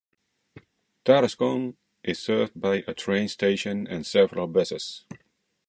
Tarascon is served by a train station and several buses.